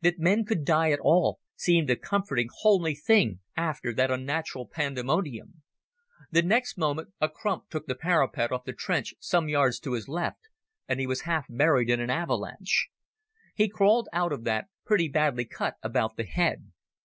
That men could die at all seemed a comforting, homely thing after that unnatural pandemonium. The next moment a crump took the parapet of the trench some yards to his left, and he was half buried in an avalanche. He crawled out of that, pretty badly cut about the head.